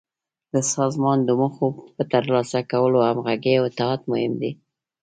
د سازمان د موخو په تر لاسه کولو کې همغږي او اتحاد مهم دي.